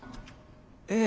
ええ。